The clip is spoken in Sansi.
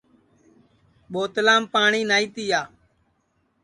ٻوتلام پاٹؔی نائی تِیا